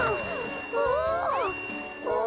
お！